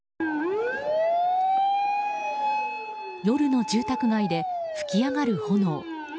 夜の住宅街で噴き上がる炎。